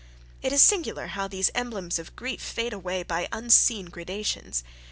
It is singular how these emblems of grief fade away by unseen gradations.